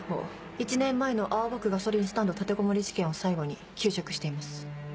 １年前の青葉区ガソリンスタンド立てこもり事件を最後に休職しています。